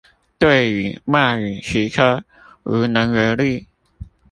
對你冒雨騎車無能為力